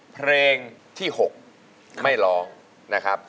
เพลงที่๖ไม่ร้องนะครับ